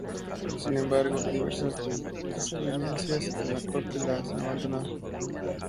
Sin embargo, diversas desavenencias en la corte le hacen abandonar.